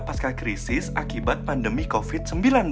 pasca krisis akibat pandemi covid sembilan belas